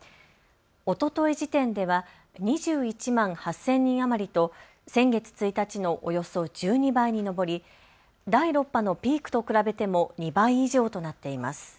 おととい時点では２１万８０００人余りと先月１日のおよそ１２倍に上り第６波のピークと比べても２倍以上となっています。